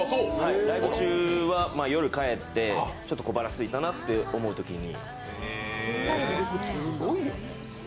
ライブ中は夜、帰ってちょっと小腹すいたなと思うときに。